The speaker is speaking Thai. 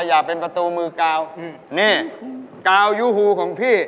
แล้วตรงรมกาวยู้หู๓หลอดนี้